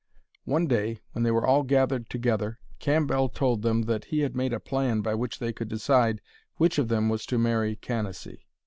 One day, when they were all gathered together, Cambell told them that he had made a plan by which they could decide which of them was to marry Canacee.